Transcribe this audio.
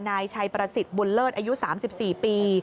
นายชัยประสิทธิ์บุญเลิศอายุ๓๔ปี